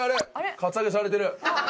カツアゲされてる。